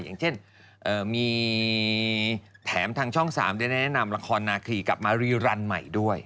อย่างเช่นมีแถมทางช่อง๓ได้แนะนำละครนาคีกลับมารีรันใหม่ด้วย